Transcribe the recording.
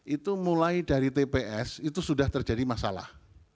itu mulai dari tps itu sudah terjadi masalah